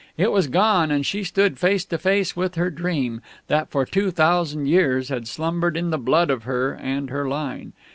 It was gone, and she stood face to face with her Dream, that for two thousand years had slumbered in the blood of her and her line.